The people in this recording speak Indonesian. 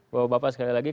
bapak sekali lagi